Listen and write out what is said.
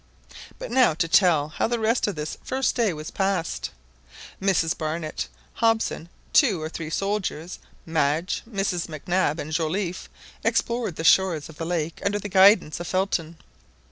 But now to tell how the rest of this first day was passed. Mrs Barnett, Hobson, two or three soldiers, Madge, Mrs Mac Nab, and Joliffe explored the shores of the lake under the guidance of Felton.